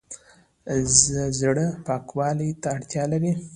زړه پاکوالي ته اړتیا لري